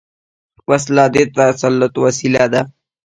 وسله د تسلط وسيله ده